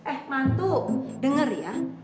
eh mantuk dengar ya